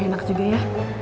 gak enak juga ya